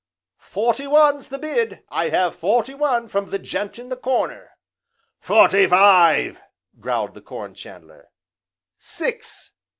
"Forty one's the bid, I have forty one from the gent in the corner " "Forty five!" growled the Corn chandler. "Six!"